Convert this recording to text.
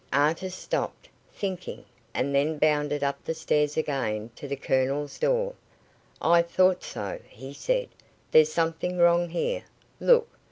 Artis stopped, thinking, and then bounded up the stairs again to the Colonel's door. "I thought so," he said. "There's something wrong here. Look."